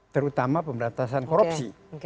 terutama pemberantasan korupsi